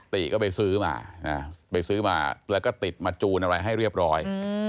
ติดก็ไปซื้อมาแล้วก็ติดมาจูนอะไรให้เรียบร้อย